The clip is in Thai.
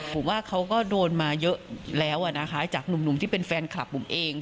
ผมว่าเขาก็โดนมาเยอะแล้วนะคะจากหนุ่มที่เป็นแฟนคลับบุ๋มเอง